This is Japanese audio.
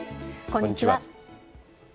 こんにちは。